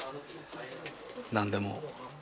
何でも。